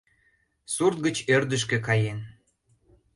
— Сурт гыч ӧрдыжкӧ каен...